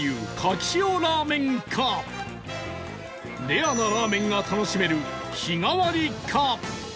レアなラーメンが楽しめる日替りか？